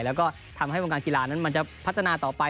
แล้วก็ทำให้วงการกีฬานั้นมันจะพัฒนาต่อไป